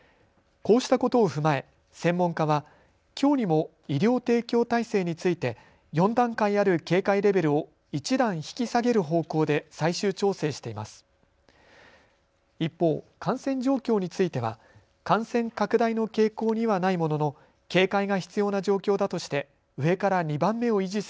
こうしたことを踏まえ専門家はきょうにも医療提供体制について４段階ある警戒レベルを１段引き下げる方向で最終調整しています。